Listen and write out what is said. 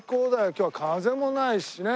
今日は風もないしね。